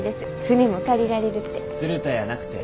船も借りられるって。